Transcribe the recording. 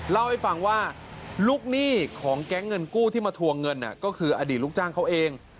เล่าให้ฟังว่าลูกหนี้ของแก๊งเงินกู้ที่มาทวงเงินก็คืออดีตลูกจ้างเขาเอง